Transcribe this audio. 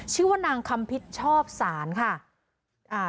ชื่อว่านางคำพิษชอบศาลค่ะอ่า